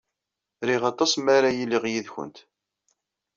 Riɣ aṭas mi ara iliɣ yid-went.